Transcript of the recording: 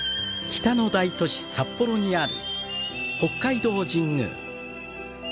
北の大都市札幌にある北海道神宮。